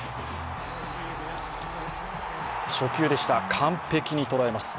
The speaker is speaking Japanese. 初球でした、完璧に捉えます。